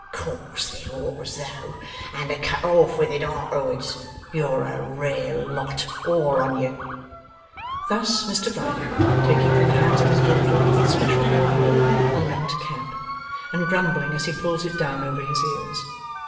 O' course there was though, and to cut off with it arterwards. You are a rare lot, all on you!' Thus, Mr Riderhood: taking from the hands of his daughter, with special ill will, a lent cap, and grumbling as he pulls it down over his ears.